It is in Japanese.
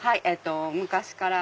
昔から。